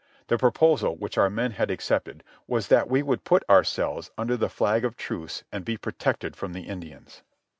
The proposal, which our men had accepted, was that we would put ourselves under the flag of truce and be protected from the Indians.